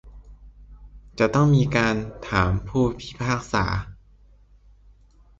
จะต้องมีการถามผู้พิพากษา